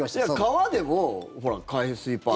川でもほら、海水パンツ。